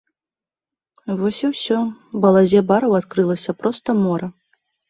Вось і ўсё, балазе бараў адкрылася проста мора.